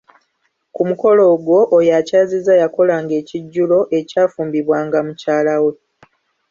Ku mukolo ogwo, oyo akyazizza yakolanga ekijjulo, ekyafumbibwanga mukyala we